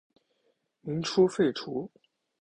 民初废除。